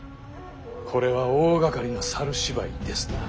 これは大がかりな猿芝居ですな。